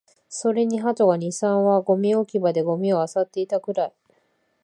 それに鳩が二、三羽、ゴミ置き場でゴミを漁っていたくらい